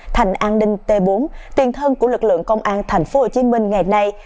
thành an ninh t bốn tiền thân của lực lượng công an thành phố hồ chí minh ngày nay